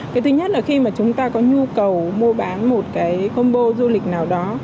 cái thứ nhất là khi mà chúng ta có nhu cầu mua bán một cái combo du lịch nào đó